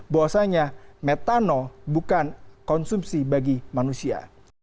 bahwasanya metano bukan konsumsi bagi manusia